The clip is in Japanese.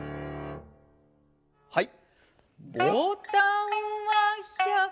はい。